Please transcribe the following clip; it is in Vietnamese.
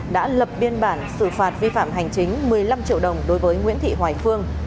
đã lập biên bản xử phạt vi phạm hành chính một mươi năm triệu đồng đối với nguyễn thị hoài phương